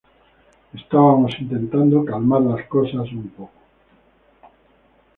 Estábamos intentando calmar las cosas un poco.